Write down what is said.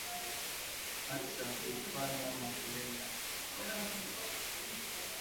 Atsha ku fanya makelele